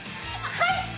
はい。